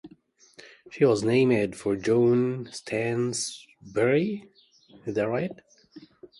She was named for John Stansbury.